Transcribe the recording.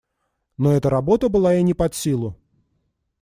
Но эта работа была ей не под силу.